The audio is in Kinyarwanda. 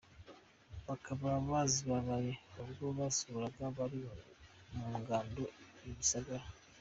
Bakaba bazibahaye ubwo babasuraga bari mu Ngando i Gisagara.